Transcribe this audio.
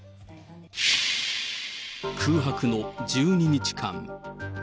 空白の１２日間。